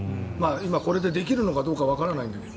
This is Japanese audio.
今、これでできるのかどうかわからないんだけど。